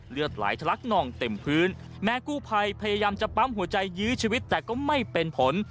เลือดไหลทะลักนองเต็มพื้นแม้กู้ภัยพยายามจะปั๊มหัวใจยื้อชีวิตแต่ก็ไม่เป็นผล